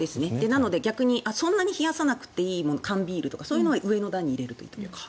なので、逆にそんなに冷やさなくていいもの缶ビールとかは上の段に入れるといいと思います。